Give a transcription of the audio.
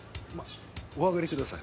お上がりください。